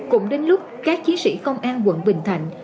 cũng đến lúc các chiến sĩ công an quận bình thạnh